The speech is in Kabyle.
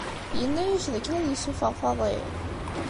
Yenna-ak d akken ad yessufeɣ Faḍil?